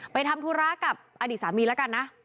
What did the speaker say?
ทำธุระกับอดีตสามีแล้วกันนะ